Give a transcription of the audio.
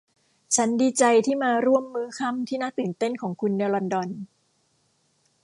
ฉันดีใจที่มาร่วมมื้อค่ำที่น่าตื่นเต้นของคุณในลอนดอน